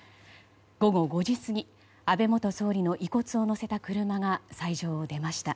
午後５時過ぎ安倍元総理の遺骨を乗せた車が斎場を出ました。